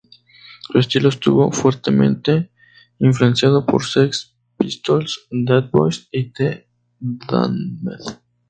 Su estilo estuvo fuertemente influenciado por Sex Pistols, Dead Boys y The Damned.